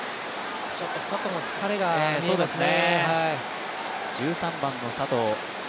ちょっと佐藤も疲れが見えますね。